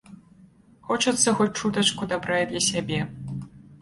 Хочацца хоць чутачку дабра і для сябе.